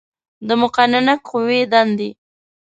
د مقننه قوې دندې